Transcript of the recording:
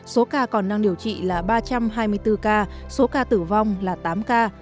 số ca còn đang điều trị là ba trăm hai mươi bốn ca số ca tử vong là tám ca